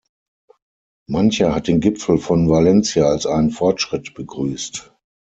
Mancher hat den Gipfel von Valencia als einen Fortschritt begrüßt.